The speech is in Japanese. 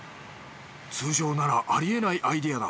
通常ならありえないアイデアだ